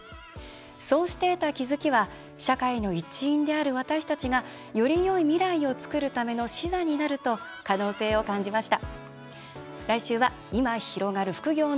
そうして得た気付きは社会の一員である私たちがよりよい未来を作るための視座になると可能性を感じました。